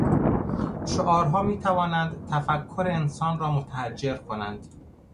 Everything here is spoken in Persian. شعارها میتوانند تفکر انسان را متحجر کنند.